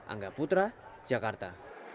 angga putra jakarta